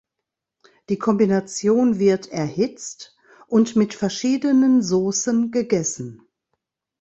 Die Kombination wird erhitzt und mit verschiedenen Saucen gegessen.